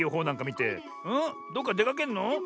どっかでかけんの？